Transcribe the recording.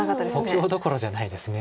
補強どころじゃないです。